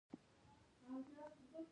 نشې مه کوئ